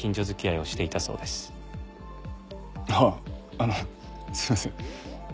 あのすいません